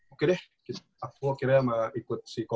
oke deh aku akhirnya mau ikut si ko kristoper